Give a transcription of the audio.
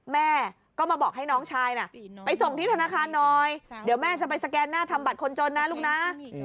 แม่ก็มาบอกให้น้องชายน่ะไปส่งที่ธนาคารหน่อยเดี๋ยวแม่จะไปสแกนหน้าทำบัตรคนจนนะลูกนะ